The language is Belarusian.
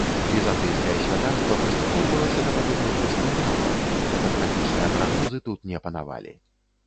Візантыйскае святарства прыслухоўвалася да падобных высноў мала, катастрафічныя прагнозы тут не панавалі.